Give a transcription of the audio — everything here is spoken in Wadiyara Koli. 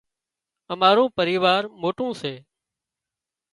امارون پريوار موٽون سي